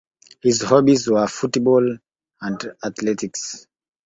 His hobbies were football and athletics.